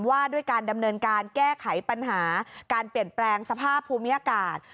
ว่าด้วยการดำเนินการแก้ไขปัญหาการเปลี่ยนแปลงสภาพภูมิอากาศ